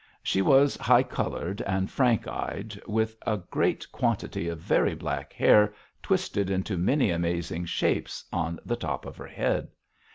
She was high coloured and frank eyed, with a great quantity of very black hair twisted into many amazing shapes on the top of her head.